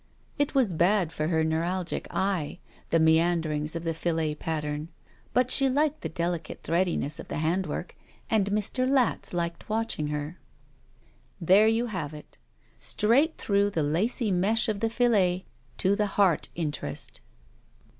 It was bad for her neuralgic eye, the meanderings of the filet pattern, but she liked the delicate threadi ness of the handiwork, and Mr. Latz liked watching r 5 SHE WALKS IN BEAUTY There you have it! Straight through the lacy mesh of the filet to the heart interest.